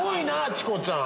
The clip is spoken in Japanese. チコちゃん。